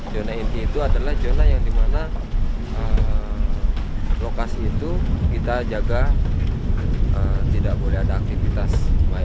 zona inti itu adalah zona yang dimana lokasi itu kita jaga tidak boleh ada aktivitas